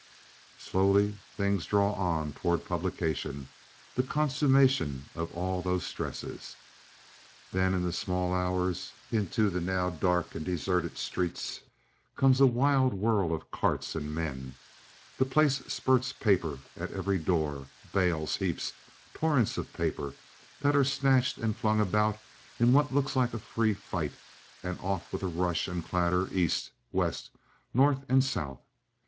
Slowly things draw on toward publication, the consummation of all those stresses. Then in the small hours, into the now dark and deserted streets comes a wild whirl of carts and men, the place spurts paper at every door, bales, heaps, torrents of papers, that are snatched and flung about in what looks like a free fight, and off with a rush and clatter east, west, north, and south.